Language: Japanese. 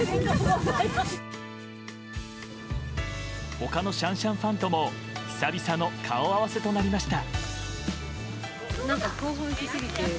他のシャンシャンファンとも久々の顔合わせとなりました。